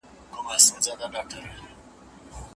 آیا خاوره تر تیږو نرمه ده؟